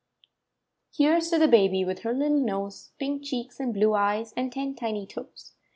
Kere's to the baby— ■ /With her little nose, Pink cheeks and blue eyes, And ten tiny toes.